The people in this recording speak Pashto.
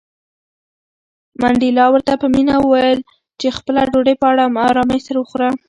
منډېلا ورته په مینه وویل چې خپله ډوډۍ په آرامۍ سره وخوره.